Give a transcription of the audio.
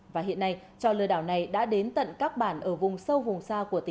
và hiện nay trò lừa đảo này đã đến tận các bản ở vùng sâu vùng xa của tỉnh